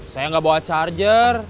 saya enggak bawa charger